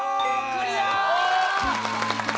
クリア！